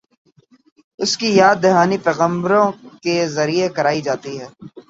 اس کی یاد دہانی پیغمبروں کے ذریعے کرائی جاتی ہے۔